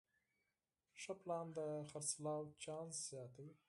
ښه پلان د خرڅلاو چانس زیاتوي.